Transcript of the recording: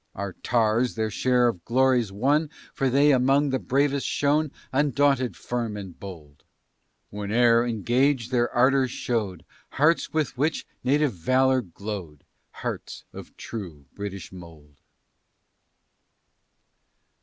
Our tars, their share of glories won, For they among the bravest shone, Undaunted, firm, and bold; Whene'er engag'd, their ardor show'd Hearts which with native valor glow'd, Hearts of true British mould.